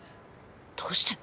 どうして？